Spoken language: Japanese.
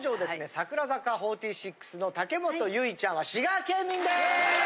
櫻坂４６の武元唯衣ちゃんは滋賀県民です！